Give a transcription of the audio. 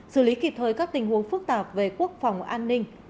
xử lý kịp thời các tình huống phức tạp về quốc phòng an ninh